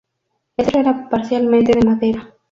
El techo era parcialmente de madera.